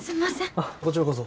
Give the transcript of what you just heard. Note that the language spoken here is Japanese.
あっこちらこそ。